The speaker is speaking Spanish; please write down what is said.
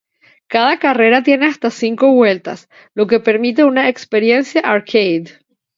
Cada carrera tiene hasta cinco vueltas "lo que permite una experiencia arcade.